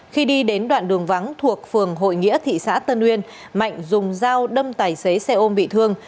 khi đi đến đoạn đường vắng thuộc phường hội nghĩa thị xã tân uyên mạnh dùng dao đâm tài xế xe ôm bị thương